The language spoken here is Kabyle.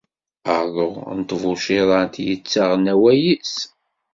Aḍu n tbuciḍant yettaɣen awal-is.